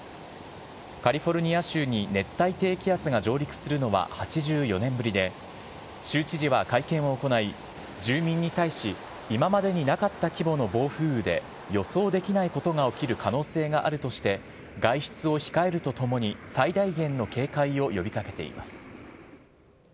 カリフォルニア州に熱帯低気圧が上陸するのは８４年ぶりで、州知事は会見を行い、住民に対し、今までになかった規模の暴風雨で、予想できないことが起きる可能性があるとして、外出を控えるとともに、最大限の警戒を呼びかけています。